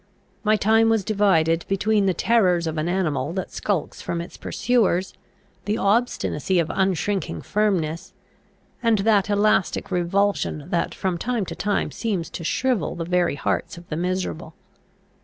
My time was divided between the terrors of an animal that skulks from its pursuers, the obstinacy of unshrinking firmness, and that elastic revulsion that from time to time seems to shrivel the very hearts of the miserable.